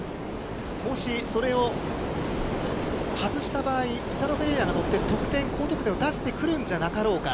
もしそれを外した場合、イタロ・フェレイラが持ってる高得点を出してくるんじゃないだろうか。